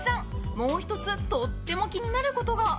もう１つとっても気になることが。